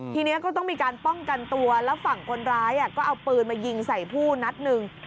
ทีนี้ก็ต้องมีการป้องกันตัวแล้วฝั่งคนร้ายก็เอาปืนมายิงใส่ผู้นัดหนึ่ง